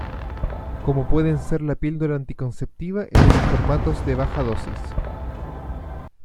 Como pueden ser la píldora anticonceptiva en sus formatos de baja dosis.